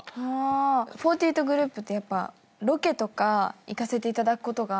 ４８グループってロケとか行かせていただくことが多くて。